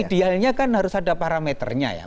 idealnya kan harus ada parameternya ya